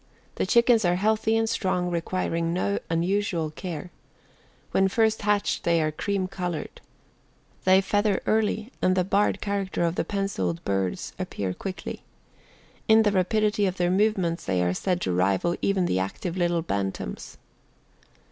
The chickens are healthy and strong requiring no unusual care. When first hatched they are cream colored. They feather early and the barred character of the penciled birds quickly appears. In the rapidity of their movements they are said to rival even the active little Bantams.